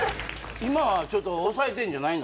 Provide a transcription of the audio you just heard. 今はちょっと抑えてんじゃないの？